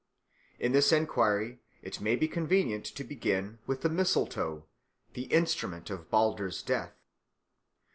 In this enquiry it may be convenient to begin with the mistletoe, the instrument of Balder's death.